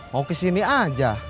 mau kesini aja